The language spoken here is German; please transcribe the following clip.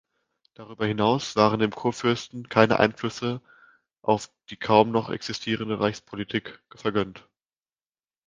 Darüber hinaus waren dem Kurfürst keine Einflüsse auf die kaum noch existente Reichspolitik vergönnt.